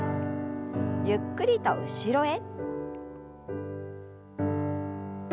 ゆっくりと後ろへ。